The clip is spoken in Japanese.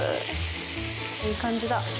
いい感じだ。